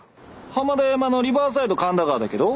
浜田山のリバーサイド神田川だけど。